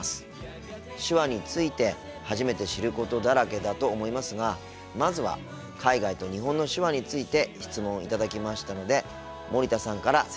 手話について初めて知ることだらけだと思いますがまずは海外と日本の手話について質問を頂きましたので森田さんから説明していただきたいと思います。